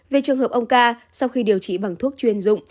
về trường hợp ông ca sau khi điều trị bằng thuốc chuyên dụng